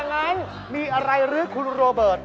ไม่ใช่อย่างนั้นมีอะไรหรือคุณโรเบิร์ต